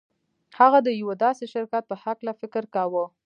هغه د يوه داسې شرکت په هکله فکر کاوه.